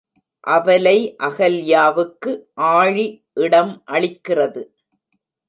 அபலை அகல்யாவுக்கு ஆழி இடம் அளிக்கிறது!...